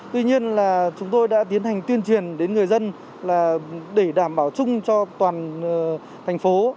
tuy nhiên là chúng tôi đã tiến hành tuyên truyền đến người dân là để đảm bảo chung cho toàn thành phố